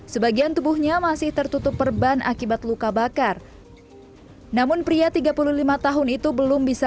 sebagian tubuhnya masih tertutup perban akibat luka bakar namun pria tiga puluh lima tahun itu belum bisa